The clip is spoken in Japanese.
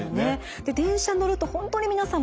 電車に乗ると本当に皆さん